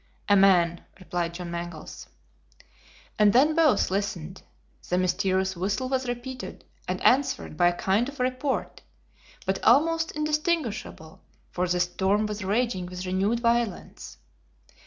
"A man," replied John Mangles. And then both listened. The mysterious whistle was repeated, and answered by a kind of report, but almost indistinguishable, for the storm was raging with renewed violence.